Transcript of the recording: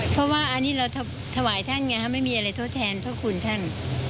เพราะว่าอันนี้เราถวายท่านไงฮะไม่มีอะไรทดแทนพระคุณท่าน